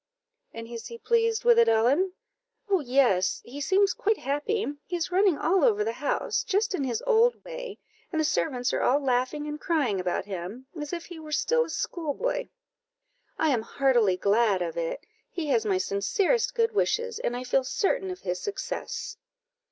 "And is he pleased with it, Ellen?" "Oh, yes! he seems quite happy: he is running all over the house, just in his old way, and the servants are all laughing and crying about him, as if he were still a school boy." "I am heartily glad of it he has my sincerest good wishes, and I feel certain of his success."